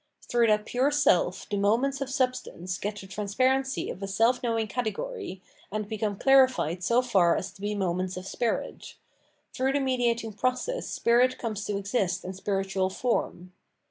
Through that pure self the moments of substance get the transparency of a self knowing category, and become clarified so far as to be moments of spirit; through the mediating process spirit comes to exist in spiritual form.